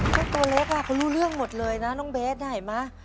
ตัวเล็กเขารู้เรื่องหมดเลยนะน้องเบสเห็นไหม